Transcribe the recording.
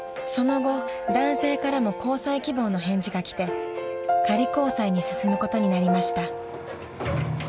［その後男性からも交際希望の返事が来て仮交際に進むことになりました］